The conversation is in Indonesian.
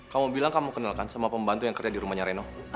kamu bilang kamu kenalkan sama pembantu yang kerja di rumahnya reno